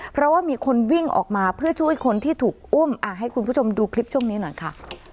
เพราะว่ามีคนวิ่งออกมาเพื่อช่วยคนที่ถูกอุ้มให้คุณผู้ชมดูคลิปช่วงนี้หน่อยค่ะ